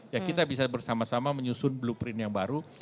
ya kita bisa bersama sama menyusun blueprint yang baru